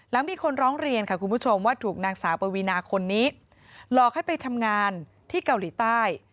แล้วมีคนร้องเรียนค่ะคุณผู้ชมว่าถูกนางสาวปวีนาคนนี้หลอกให้ไปทำงานที่เกาหลีใต้